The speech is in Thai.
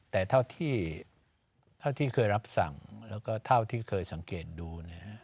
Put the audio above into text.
แต่เท่าที่เคยรับสั่งแล้วก็เท่าที่เคยสังเกตดู